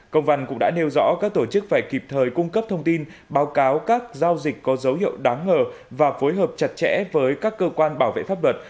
công văn cũng đã nêu rõ các tổ chức phải kịp thời cung cấp thông tin báo cáo các giao dịch có dấu hiệu đáng ngờ và phối hợp chặt chẽ với các cơ quan bảo vệ pháp luật